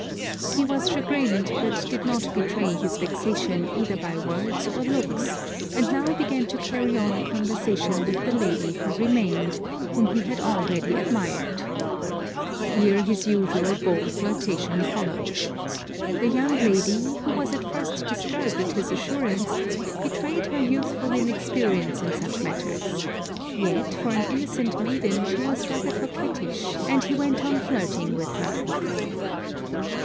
He was chagrined, but did not betray his vexation either by words or looks, and now began to carry on a conversation with the lady who remained, whom he had already admired. Here his usual bold flirtation followed. The young lady, who was at first disturbed at his assurance, betrayed her youthful inexperience in such matters; yet for an innocent maiden, she was rather coquettish, and he went on flirting with her.